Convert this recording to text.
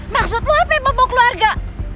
maksud lo apa yang bobok keluarga